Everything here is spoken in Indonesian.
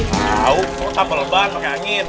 kau tahu kota pelebar pakai angin